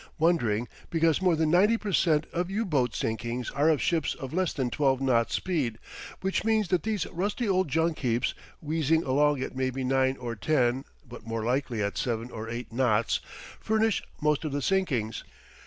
Wondering, because more than 90 per cent of U boat sinkings are of ships of less than 12 knots' speed; which means that these rusty old junk heaps, wheezing along at maybe 9 or 10, but more likely at 7 or 8 knots, furnish most of the sinkings.